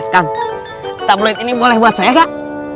kan tablet ini boleh buat saya gak